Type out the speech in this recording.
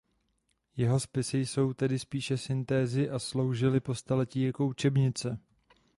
Jeho spisy jsou tedy spíše syntézy a sloužily po staletí jako učebnice.